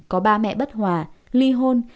có ba mẹ bất hòa ly hôn